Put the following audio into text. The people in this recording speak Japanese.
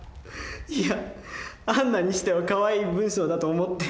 いや杏奈にしてはかわいい文章だと思って。